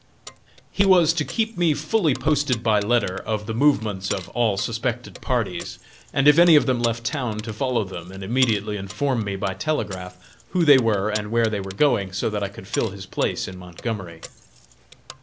He was to keep me fully posted by letter of the movements of all suspected parties, and if any of them left town to follow them and immediately inform me by telegraph who they were and where they were going, so that I could fill his place in Montgomery.